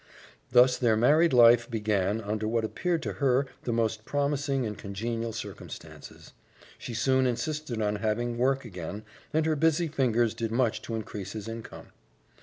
Thus their married life began under what appeared to her the most promising and congenial circumstances. She soon insisted on having work again, and her busy fingers did much to increase his income.